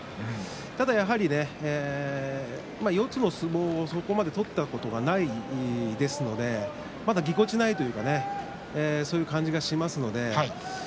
ただ、やはりね、四つの相撲をそこまで取ったことがないですので、まだぎこちない感じがしますね。